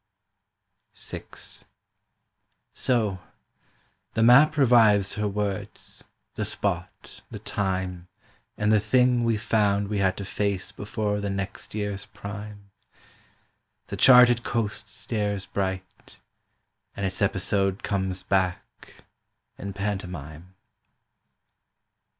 VI So, the map revives her words, the spot, the time, And the thing we found we had to face before the next year's prime; The charted coast stares bright, And its episode comes back in pantomime.